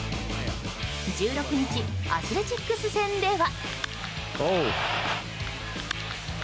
１６日アスレチックス戦では。